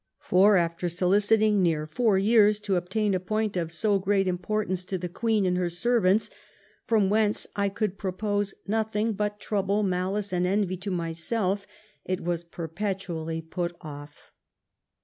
For, after soliciting near four years, to obtain a point of so great importance to the Queen and her servants, from whence I could propose nothing but trouble, malice, and envy to myself, it was perpetually put oflF."